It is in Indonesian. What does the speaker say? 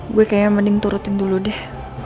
gue kayak mending turutin dulu deh